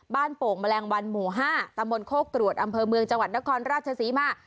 โป่งแมลงวันหมู่๕ตำบลโคกรวดอำเภอเมืองจังหวัดนครราชศรีมา